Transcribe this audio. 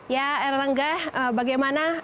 ya erlangga bagaimana